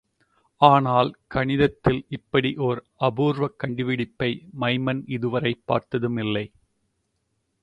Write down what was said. ஆனால், கணித விஷயத்தில் இப்படி ஓர் ஆபூர்வக் கண்டுபிடிப்பை மைமன் இது வரை பார்த்ததுமில்லை.